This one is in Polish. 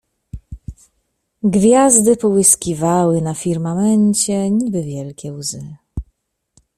Gwiazdy połyskiwały na firmamencie niby wielkie łzy.